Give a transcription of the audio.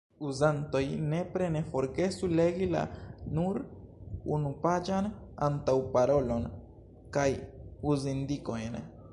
Uzantoj nepre ne forgesu legi la – nur unupaĝan – antaŭparolon kaj uzindikojn.